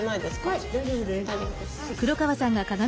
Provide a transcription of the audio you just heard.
はい大丈夫です。